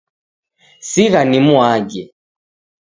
Sigha nimw'age